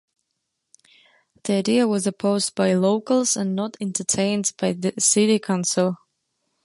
The idea was opposed by locals and not entertained by the city council.